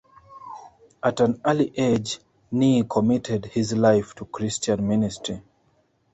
At an early age, Nee committed his life to Christian ministry.